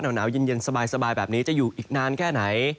หนาวเย็นสบายแบบนี้จะอยู่อีกนานแค่ไหน